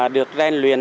được rèn luyện